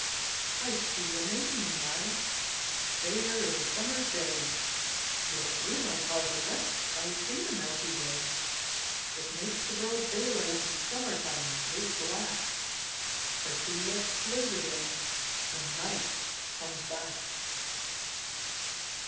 I see a maiden now, Fair as a summer's day; Yet through her parted lips I see the milky way; It makes the broad daylight In summer time look black: Her two lips close again, And night comes back.